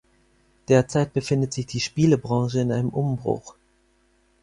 Derzeit befindet sich die Spielebranche in einem Umbruch.